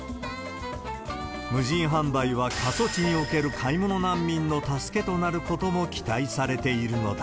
無人販売は過疎地における買い物難民の助けとなることも期待されているのだ。